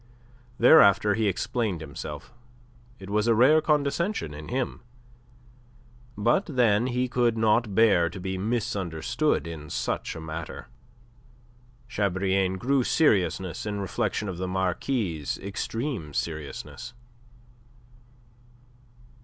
Thereafter he explained himself. It was a rare condescension in him. But, then, he could not bear to be misunderstood in such a matter. Chabrillane grew serious in reflection of the Marquis' extreme seriousness.